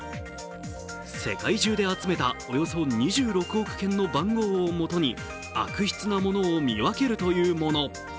世界中で集めたおよそ２６億件の番号をもとに悪質なものを見分けるというもの。